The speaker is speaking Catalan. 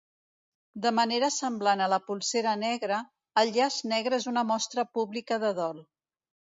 De manera semblant a la polsera negra, el llaç negre és una mostra pública de dol.